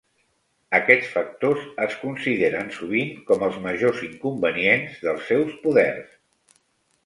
Aquests factors es consideren sovint com els majors inconvenients dels seus poders.